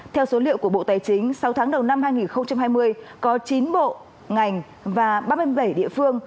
theo số liệu của bộ tài chính sáu tháng đầu năm hai nghìn hai mươi có chín bộ ngành và ba mươi bảy địa phương